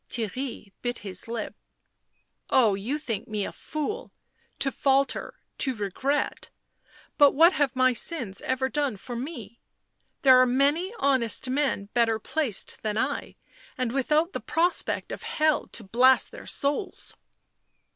Theirry bit his lip. " Oh, you think me a fool — to falter, to regret; — but what have my sins ever done for me ? There are many honest men better placed than I — and without the prospect of hell to blast their souls."